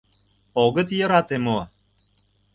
— Огыт йӧрате мо?